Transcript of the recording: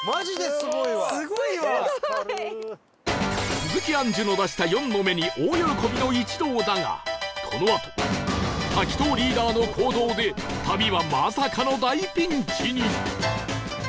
鈴木杏樹の出した「４」の目に大喜びの一同だがこのあと滝藤リーダーの行動で旅はまさかの大ピンチに